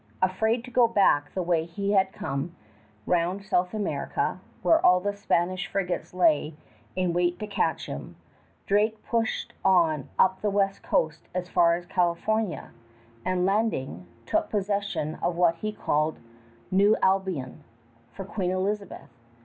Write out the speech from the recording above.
Afraid to go back the way he had come, round South America, where all the Spanish frigates lay in wait to catch him, Drake pushed on up the west coast as far as California, and landing, took possession of what he called "New Albion" for Queen Elizabeth.